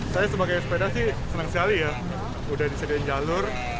saya sebagai sepeda sih senang sekali ya udah disediain jalur